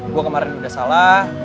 gue kemarin udah salah